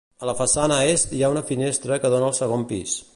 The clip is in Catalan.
A la façana est hi ha una finestra que dona al segon pis.